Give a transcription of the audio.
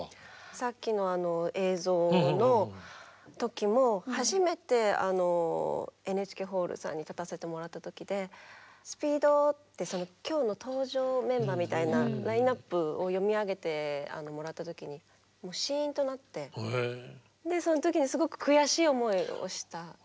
さっきの映像の時も初めてＮＨＫホールさんに立たせてもらった時で「ＳＰＥＥＤ」って今日の登場メンバーみたいなラインナップを読み上げてもらった時にもうしんとなってその時にすごく悔しい思いをした。